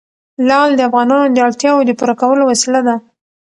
لعل د افغانانو د اړتیاوو د پوره کولو وسیله ده.